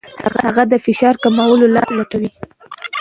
هغه د فشار کمولو لارې لټوي.